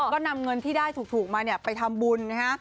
ก็นำเงินที่ได้ถูกมาไปทำบุญนะฮะ